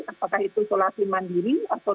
apakah itu isolasi mandiri atau